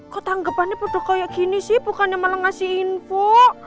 kok tanggapannya butuh kayak gini sih bukannya malah ngasih info